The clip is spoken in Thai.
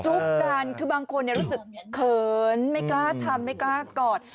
กันคือบางคนรู้สึกเขินไม่กล้าทำไม่กล้ากอด